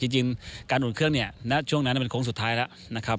นักช่วงนั้นมันคงว่าจะเป็นขุมชีวธรรมสุดท้ายแล้วนะครับ